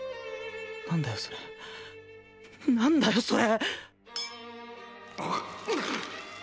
何だよそれ何だよそれ！